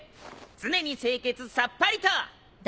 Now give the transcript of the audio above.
常に清潔さっぱりと！